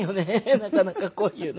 なかなかこういうの。